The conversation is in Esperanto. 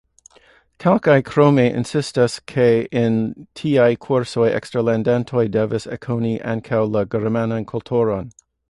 Kelkaj krome insistas, ke en tiaj kursoj eksterlandanoj devas ekkoni ankaŭ la germanan kulturon.